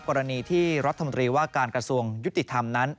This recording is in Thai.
กรณีที่รัฐมนตรีว่าการกระทรวงยุติธรรมนั้น